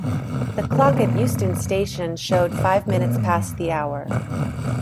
The clock at Euston Station showed five minutes past the hour.